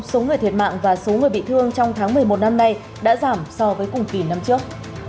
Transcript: số người thiệt mạng và số người bị thương trong tháng một mươi một năm nay đã giảm so với cùng kỳ năm trước